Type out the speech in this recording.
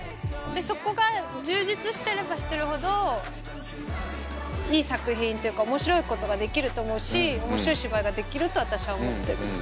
そこが充実してればしてるほどいい作品っていうか面白いことができると思うし面白い芝居ができると私は思ってるかな。